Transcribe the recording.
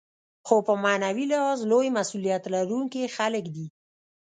خو په معنوي لحاظ لوی مسوولیت لرونکي خلک دي.